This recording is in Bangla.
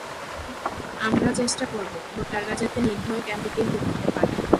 আমরা চেষ্টা করব, ভোটাররা যাতে নির্ভয়ে কেন্দ্রে গিয়ে ভোট দিতে পারেন।